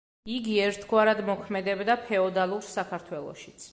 იგი ერთგვარად მოქმედებდა ფეოდალურ საქართველოშიც.